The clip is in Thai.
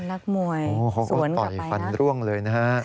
นักมวยสวนกลับไปนะครับต่อยฟันร่วงเลยนะฮะ